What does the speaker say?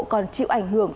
còn chịu ảnh hưởng